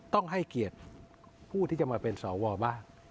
ต้องให้เกียรติผู้ที่จะมาเป็นสวบ้าง